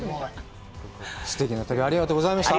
すてきな旅、ありがとうございました。